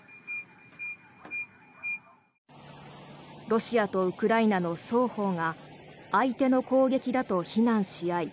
ロシアとウクライナの双方が相手の攻撃だと非難し合い